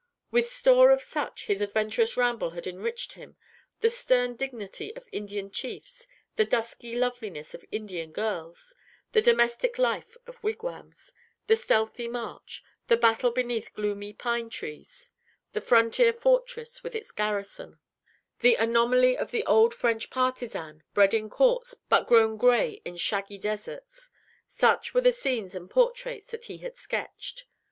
With store of such, his adventurous ramble had enriched him; the stern dignity of Indian chiefs; the dusky loveliness of Indian girls; the domestic life of wigwams; the stealthy march; the battle beneath gloomy pine trees; the frontier fortress with its garrison; the anomaly of the old French partisan, bred in courts, but grown gray in shaggy deserts; such were the scenes and portraits that he had sketched.